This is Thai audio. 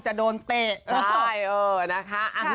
ไม่ไปพูดอะไรไม่ดีใส่ใครดีกว่า